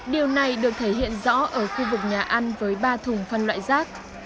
điều này được thể hiện rõ ở khu vực nhà ăn với ba thùng phân loại rác